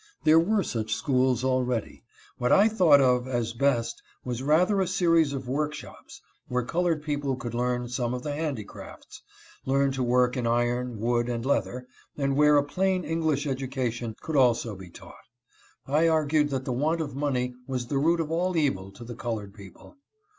There were such schools, already. What I thought of as best was rather a series of workshops, where colored people could learn some of the handicrafts, learn to work in iron, wood, and leather, and where a plain English education could also be taught. I argued that the want of money was the root of all evil to the colored people.